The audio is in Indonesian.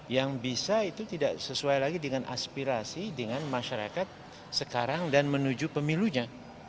yang bisa itu tidak sesuai lagi dengan aspirasi dengan masyarakat sekarang dan menuju pemilunya